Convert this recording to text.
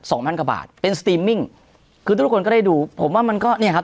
สองพันเท่ากว่าบาทเป็นคือทุกคนก็ได้ดูผมว่ามันก็เนี่ยครับ